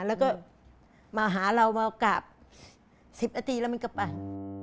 แล้วก็มาหาเรามากราบ๑๐นาทีแล้วมันก็ไป